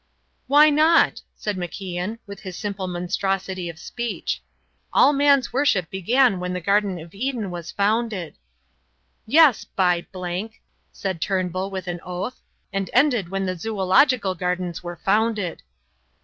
"Why not?" said MacIan, with his simple monstrosity of speech; "all man's worship began when the Garden of Eden was founded." "Yes, by !" said Turnbull, with an oath, "and ended when the Zoological Gardens were founded."